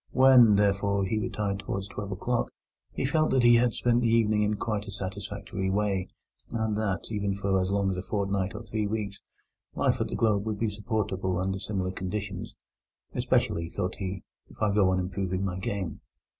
When, therefore, he retired towards twelve o'clock, he felt that he had spent his evening in quite a satisfactory way, and that, even for so long as a fortnight or three weeks, life at the Globe would be supportable under similar conditions—"especially," thought he, "if I go on improving my game."